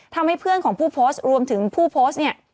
ทำให้เพื่อนของผู้โพสต์รวมถึงผู้โพสต์เนี่ย